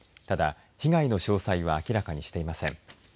ただ、被害の詳細は明らかにしていません。